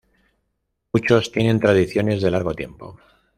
Muchos tienen tradiciones de largo tiempo.